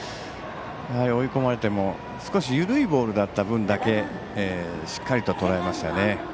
追い込まれても少し緩いボールだった分だけしっかりととらえましたね。